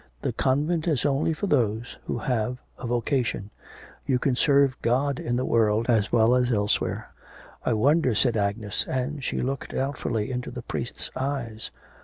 The convent is only for those who have a vocation. You can serve God in the world as well as elsewhere.' 'I wonder,' said Agnes, and she looked doubtfully into the priest's eyes.